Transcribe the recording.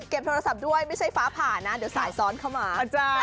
โทรศัพท์ด้วยไม่ใช่ฟ้าผ่านะเดี๋ยวสายซ้อนเข้ามา